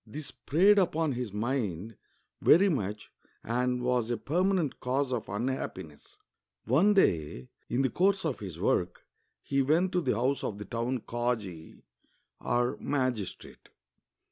This preyed upon his mind very much and was a pennanent cause of unhappiness. One day, in the course of his work, he went to the house of the town kazi (or magistrate).